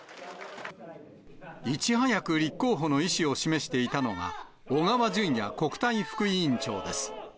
いち早く立候補の意思を示していたのが、小川淳也国対副委員長です。